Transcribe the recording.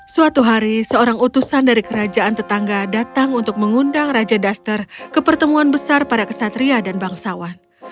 suatu hari seorang utusan dari kerajaan tetangga datang untuk mengundang raja duster ke pertemuan besar pada kesatria dan bangsawan